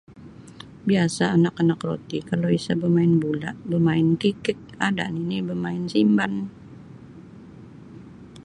Biasa anak anak iro tih kalau isa bemain bula, bemain kikik ada nini bemain simban.